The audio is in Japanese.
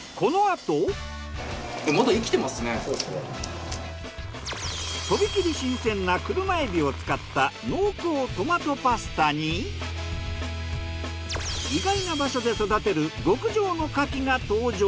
とびきり新鮮な車海老を使った濃厚トマトパスタに意外な場所で育てる極上の牡蠣が登場！